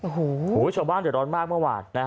โอ้โหชาวบ้านเดินร้อนมากเมื่อวาน